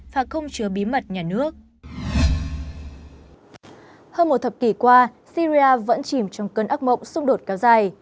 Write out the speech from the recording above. và không chứa bí mật nhà nước hơn một thập kỷ qua syria vẫn chìm trong cơn ác mộng xung đột cao dài